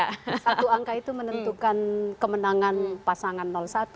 satu angka itu menentukan kemenangan pasangan satu